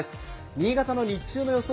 新潟の日中の予想